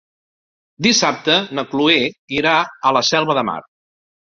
Dissabte na Chloé irà a la Selva de Mar.